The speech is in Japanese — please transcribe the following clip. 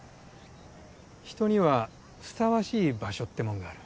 人にはふさわしい場所ってもんがある。